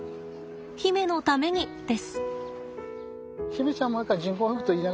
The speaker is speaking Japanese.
媛のためにです。